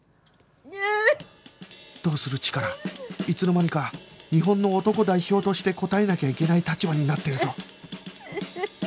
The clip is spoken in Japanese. いつの間にか日本の男代表として答えなきゃいけない立場になってるぞ